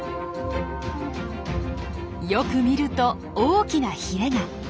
よく見ると大きなヒレが。